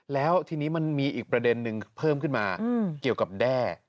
แล้วทีนี้มันมีอีกประเด็นนึงเพิ่มขึ้นมาเกี่ยวกับแด้